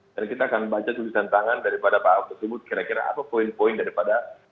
dan kita akan baca tulisan tangan daripada pak ahok tersebut kira kira apa poin poin daripada